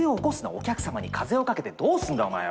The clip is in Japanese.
お客さまに風をかけてどうすんだお前は。